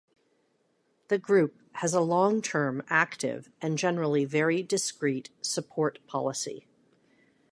The Group has a long-term active and generally very discrete support policy.